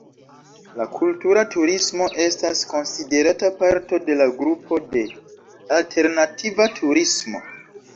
La kultura turismo estas konsiderata parto de la grupo de "alternativa turismo".